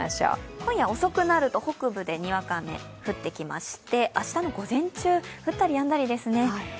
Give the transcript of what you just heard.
今夜、遅くなると北部でにわか雨、降ってきまして明日の午前中、降ったりやんだりですね。